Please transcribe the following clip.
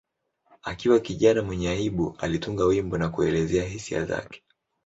Akiwa kijana mwenye aibu, alitunga wimbo wa kuelezea hisia zake.